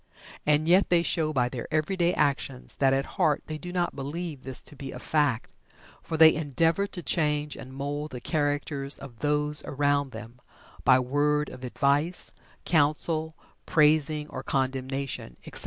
And yet they show by their everyday actions that at heart they do not believe this to be a fact, for they endeavor to change and mould the characters of those around them, by word of advice, counsel, praising or condemnation, etc.